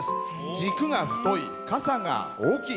軸が太い、かさが大きい。